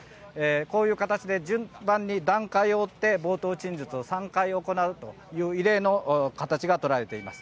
こういう形で順番に段階を追って冒頭陳述を３回行うという異例の形が取られています。